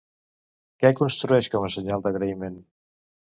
Què construeix com a senyal d'agraïment?